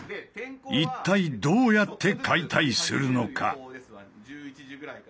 一体どうやって解体するのか？